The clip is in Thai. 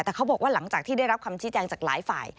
แต่เขาบอกว่าหลังจากที่ได้รับคำชี้แจงจากหลายฝ่าย